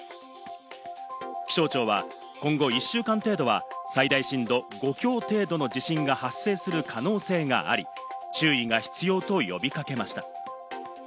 気象庁は今後１週間程度は最大震度５強程度の地震が発生する可能性があり、注意が必要と呼びかけました。